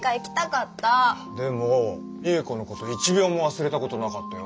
でも未映子のこと１秒も忘れたことなかったよ。